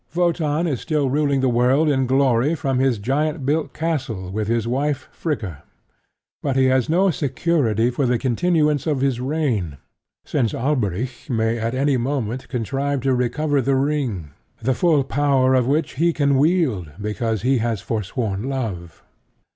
Wotan is still ruling the world in glory from his giant built castle with his wife Fricka. But he has no security for the continuance of his reign, since Alberic may at any moment contrive to recover the ring, the full power of which he can wield because he has forsworn love.